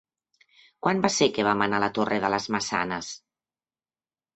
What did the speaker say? Quan va ser que vam anar a la Torre de les Maçanes?